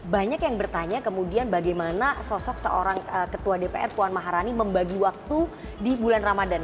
banyak yang bertanya kemudian bagaimana sosok seorang ketua dpr puan maharani membagi waktu di bulan ramadan